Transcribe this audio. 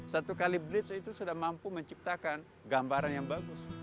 satu kali bridge itu sudah mampu menciptakan gambaran yang bagus